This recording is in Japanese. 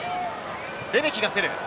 レメキが競る。